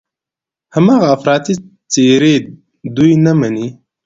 هماغه افراطي څېرې دوی نه مني.